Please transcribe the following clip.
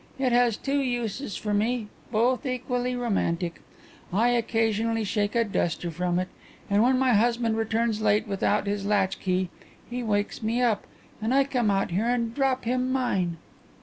It has two uses for me, both equally romantic; I occasionally shake a duster from it, and when my husband returns late without his latchkey he wakes me up and I come out here and drop him mine."